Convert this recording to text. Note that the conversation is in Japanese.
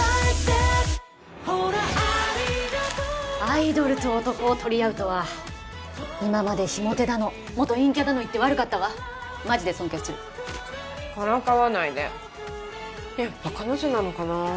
アイドルと男を取り合うとは今まで非モテだの元陰キャだの言って悪かったわマジで尊敬するからかわないでやっぱ彼女なのかな